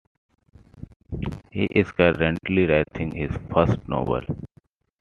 He is currently writing his first novel.